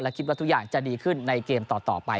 คิดว่าทุกอย่างจะดีขึ้นในเกมต่อไป